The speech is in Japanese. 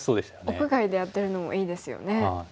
屋外でやってるのもいいですよね。